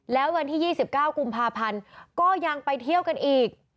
แล้ววันที่๒๙กุมภาพันธ์ก็ยังไปเที่ยวกันอีก